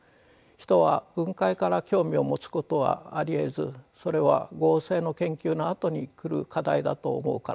人は分解から興味を持つことはありえずそれは合成の研究のあとに来る課題だと思うからです。